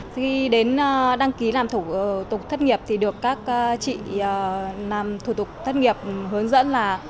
khi đến đăng ký làm thủ tục thất nghiệp thì được các chị làm thủ tục thất nghiệp hướng dẫn là